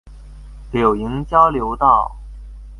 柳營交流道